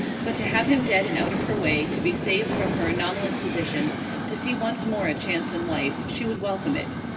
But to have him dead and out of her way; to be saved from her anomalous position; to see once more a chance in life; she would welcome it.